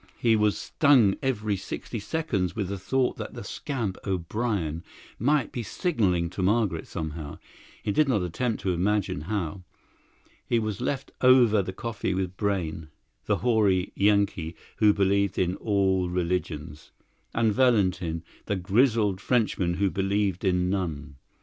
He was stung every sixty seconds with the thought that the scamp O'Brien might be signalling to Margaret somehow; he did not attempt to imagine how. He was left over the coffee with Brayne, the hoary Yankee who believed in all religions, and Valentin, the grizzled Frenchman who believed in none.